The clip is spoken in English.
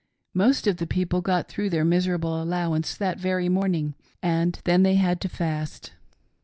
Most of the people got through their miserable allowance that very morning, and then they had to fast.